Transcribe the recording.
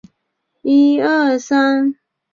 圣卡洛斯是福克兰战争中英军的桥头堡。